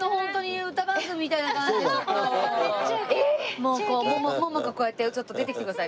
もうこう桃子こうやってちょっと出てきてください。